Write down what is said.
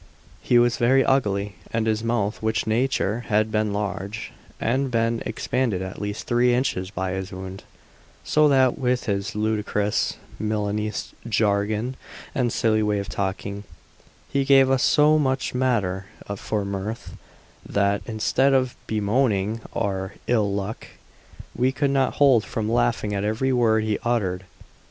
He was very ugly, and his mouth, which nature had made large, had been expanded at least three inches by his wound; so that what with his ludicrous Milanese jargon and his silly way of talking, he gave us so much matter for mirth, that, instead of bemoaning our ill luck, we could not hold from laughing at every word he uttered.